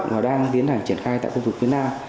mà đang tiến hành triển khai tại khu vực phía nam